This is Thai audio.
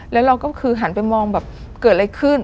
แล้วเราก็คือหันไปมองแบบเกิดอะไรขึ้น